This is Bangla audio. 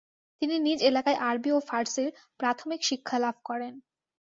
তিনি নিজ এলাকায় আরবি ও ফার্সির প্রাথমিক শিক্ষা লাভ করেন।